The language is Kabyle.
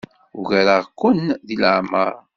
Ugareɣ-ken deg leɛmeṛ.